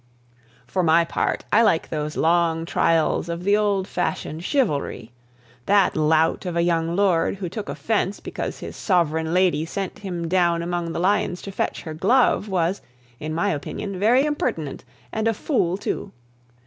For my part, I like those long trials of the old fashioned chivalry. That lout of a young lord, who took offence because his sovereign lady sent him down among the lions to fetch her glove, was, in my opinion, very impertinent, and a fool too.